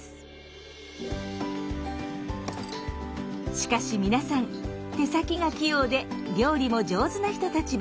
しかし皆さん手先が器用で料理も上手な人たちばかり。